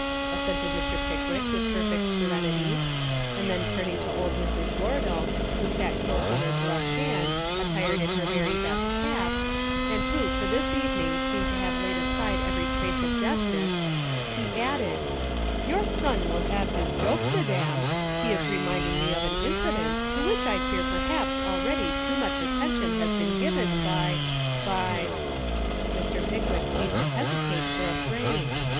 assented Mr. Pickwick with perfect serenity. And then turn ing to old Mrs. Wardle, who sat close on his left hand, attired in her very best cap, and who for this evening seemed to have laid aside every trace of deafness, he added — "Your son will have his joke, madam: he is reminding me of an incident to which I fear perhaps al ready too much attention has been given by — by " 199 Essays and Literary Studies Mr. Pickwick seemed to hesitate for a phrase.